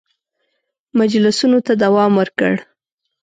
مجلسونو ته دوام ورکړ.